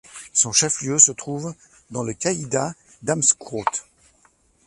Son chef-lieu se trouve dans le caïdat d'Amskroud.